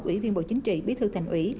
ủy viên bộ chính trị bí thư thành ủy